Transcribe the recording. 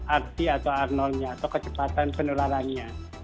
arti atau arnolnya atau kecepatan penularannya